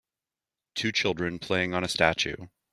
Two children playing on a statue